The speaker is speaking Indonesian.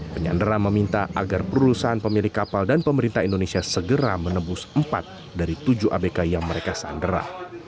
penyandera meminta agar perusahaan pemilik kapal dan pemerintah indonesia segera menebus empat dari tujuh abk yang mereka sandera